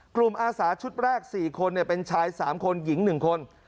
อาสาชุดแรก๔คนเป็นชาย๓คนหญิง๑คน